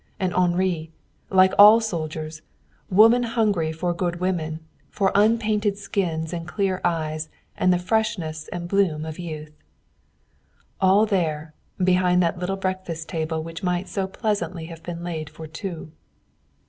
And Henri, like all soldiers, woman hungry for good women, for unpainted skins and clear eyes and the freshness and bloom of youth. All there, behind that little breakfast table which might so pleasantly have been laid for two.